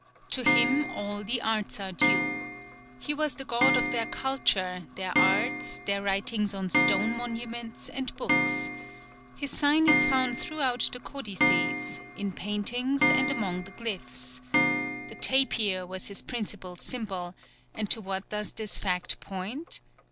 To him all the arts are due. He was the god of their culture, their arts, their writings on stone monuments and books. His sign is found throughout the codices, in paintings, and among the glyphs. The tapir was his principal symbol, and to what does this fact point?